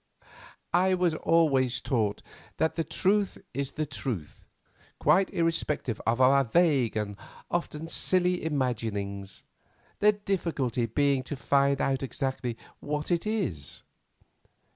"I was always taught that the truth is the truth, quite irrespective of our vague and often silly imaginings; the difficulty being to find out exactly what it is."